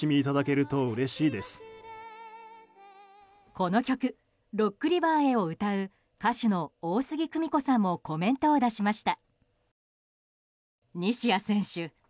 この曲「ロックリバーへ」を歌う歌手の大杉久美子さんもコメントを出しました。